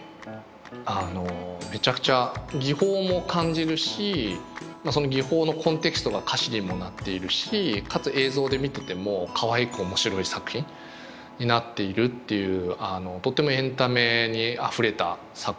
あのめちゃくちゃ技法も感じるしその技法のコンテキストが歌詞にもなっているしかつ映像で見ててもかわいく面白い作品になっているっていうとってもエンタメにあふれた作品だったんじゃないかなと。